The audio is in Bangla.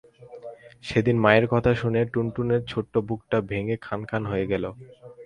সেদিন মায়ের কথা শুনে টুনটুনের ছোট্ট বুকটা ভেঙে খান খান হয়ে গেল।